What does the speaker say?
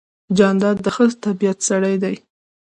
جانداد د ښه طبیعت سړی دی.